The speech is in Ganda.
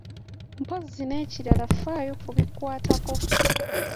Mpozzi n’ekirala faayo ku bikukwatako.